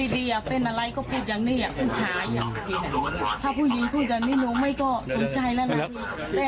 ดีอ่ะเป็นอะไรก็พูดอย่างนี้อ่ะผู้ชายถ้าผู้หญิงพูดอย่างนี้นุ้งไม่ก็สนใจแล้วนะ